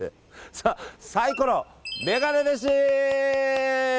さあ、サイコロメガネ飯！